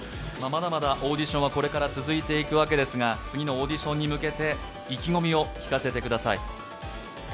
まだまだオーディションはこれから続いていくわけですが、次のオーディションに向けて意気込みを聞かせてください。